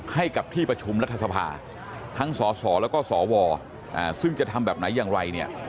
ให้กับที่ประชุมรัฐสภาทั้งสสแล้วก็สวซึ่งจะทำแบบไหนอย่างไรเนี่ย